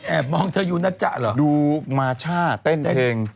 แอบมองเธอยุนัจจะเหรอดูมาช่าเต้นเพลง